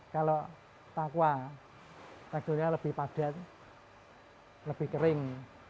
kalau takwa teksturnya lebih padat lebih kering